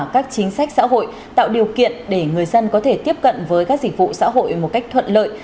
các chính sách xã hội tạo điều kiện để người dân có thể tiếp cận với các dịch vụ xã hội một cách thuận lợi